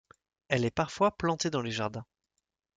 Elle est parfois plantée dans les jardins.